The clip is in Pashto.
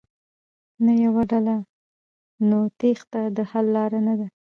نه يوه ډله ،نو تېښته د حل لاره نه ده.